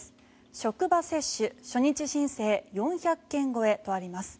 職場接種、初日申請４００件超えとあります。